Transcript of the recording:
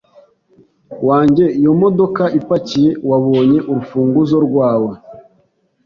Wange iyo modoka ipakiye wabonye urufunguzo rwawe